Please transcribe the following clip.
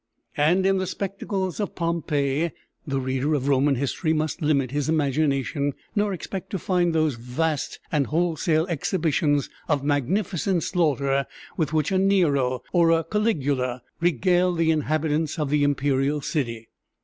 And in the spectacles of Pompeii, the reader of Roman history must limit his imagination, nor expect to find those vast and wholesale exhibitions of magnificent slaughter with which a Nero or a Caligula regaled the inhabitants of the Imperial City.